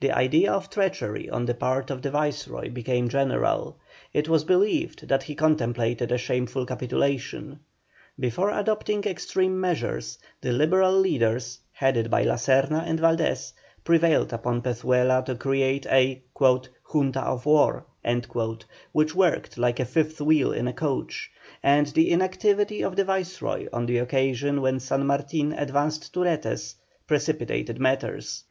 The idea of treachery on the part of the Viceroy became general; it was believed that he contemplated a shameful capitulation. Before adopting extreme measures, the Liberal leaders, headed by La Serna and Valdés, prevailed upon Pezuela to create a "Junta of War," which worked like a fifth wheel in a coach; and the inactivity of the Viceroy on the occasion when San Martin advanced to Retes, precipitated matters.